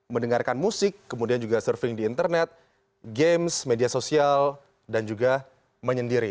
mendengarkan musik kemudian juga surfing di internet games media sosial dan juga menyendiri